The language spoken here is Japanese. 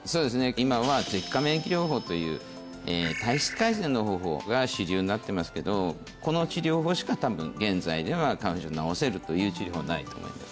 今は舌下免疫療法という体質改善の方法が主流になってますけどこの治療法しか多分現在では花粉症を治せるという治療法はないと思います